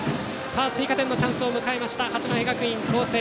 追加点のチャンスを迎えた八戸学院光星。